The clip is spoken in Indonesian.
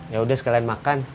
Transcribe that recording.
yaudah sekalian makan